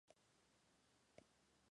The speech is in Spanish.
Por falta de saldo.